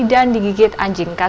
dan digigit anjing k sembilan